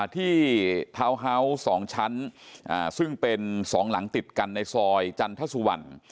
ทาวน์เฮาส์๒ชั้นซึ่งเป็น๒หลังติดกันในซอยจันทสุวรรณ